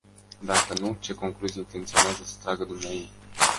Dacă nu, ce concluzii intenționează să tragă dumneaei?